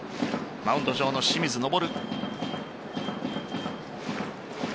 マウンド上の清水昇。